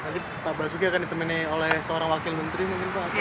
jadi pak pak suki akan ditemani oleh seorang wakil menteri mungkin pak